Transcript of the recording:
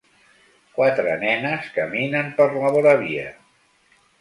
Quatre nenes caminen per la voravia.